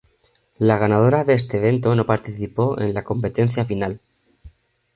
La ganadora de este evento no participó en la Competencia Final.